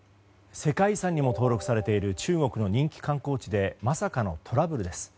世界遺産にも登録されている中国の人気観光地でまさかのトラブルです。